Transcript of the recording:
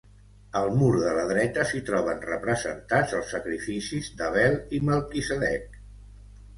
Al mur de la dreta s'hi troben representats els sacrificis d'Abel i Melquisedec.